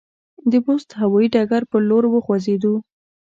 د بُست هوایي ډګر پر لور وخوځېدو.